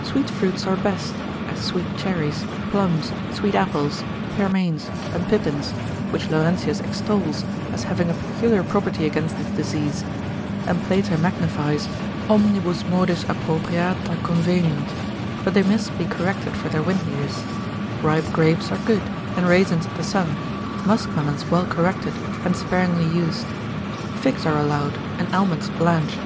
Sweet fruits are best, as sweet cherries, plums, sweet apples, pearmains, and pippins, which Laurentius extols, as having a peculiar property against this disease, and Plater magnifies, omnibus modis appropriata conveniunt, but they must be corrected for their windiness: ripe grapes are good, and raisins of the sun, musk melons well corrected, and sparingly used. Figs are allowed, and almonds blanched.